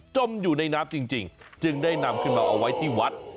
จมอยู่ในน้ำจริงจึงได้นำขึ้นมาเอาไว้ที่วัด